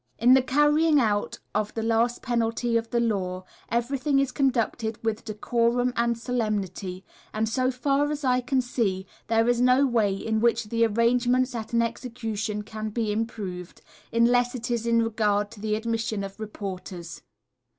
In the carrying out of the last penalty of the law, everything is conducted with decorum and solemnity, and so far as I can see there is no way in which the arrangements at an execution can be improved, unless it is in regard to the admission of reporters.